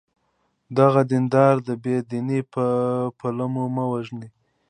دغه دینداران د بې دینی په پلمو مه وژنه!